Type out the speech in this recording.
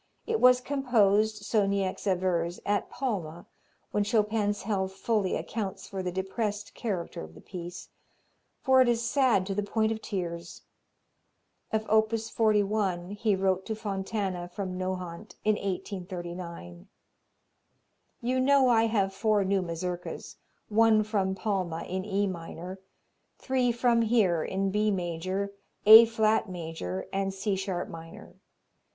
It was composed, so Niecks avers, at Palma, when Chopin's health fully accounts for the depressed character of the piece, for it is sad to the point of tears. Of op. 41 he wrote to Fontana from Nohant in 1839, "You know I have four new Mazurkas, one from Palma, in E minor; three from here, in B major, A flat major and C sharp minor.